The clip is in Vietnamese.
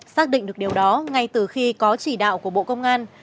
xác định được điều đó ngay từ khi có chỉ đạo của bộ công an